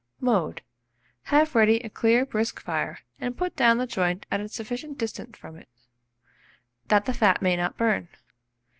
Mode. Have ready a clear brisk fire, and put down the joint at a sufficient distance from it, that the fat may not burn.